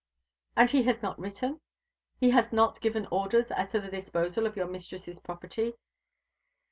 "And he has not written he has given no orders as to the disposal of your mistress's property?"